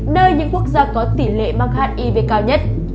nơi những quốc gia có tỷ lệ mắc hiv cao nhất